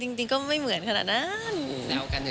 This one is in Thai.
จริงก็ไม่เหมือนขนาดนั้น